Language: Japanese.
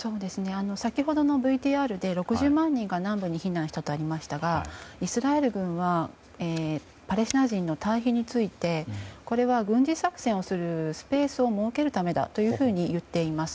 先ほどのＶＴＲで６０万人が南部に避難したとありましたがイスラエル軍はパレスチナ人の退避についてこれは軍事作戦をするスペースを設けるためだと言っています。